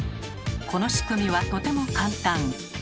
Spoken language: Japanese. この仕組みはとても簡単。